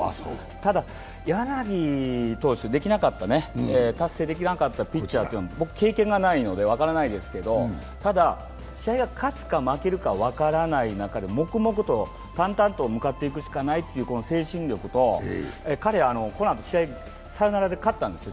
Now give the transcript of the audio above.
ただ、柳、達成できなかったピッチャーは僕、経験がないので分からないですけど試合が勝つか負けるか分からない中で、黙々と淡々と向かっていくしかないという精神力と、彼、このあと試合、チームがサヨナラで勝ったんですよ。